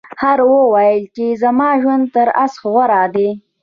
خر وویل چې زما ژوند تر اس غوره دی.